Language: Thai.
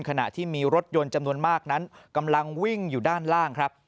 ขณะที่มีรถยนต์จำนวนมากนั้นกำลังวิ่งอยู่ด้านล่างครับ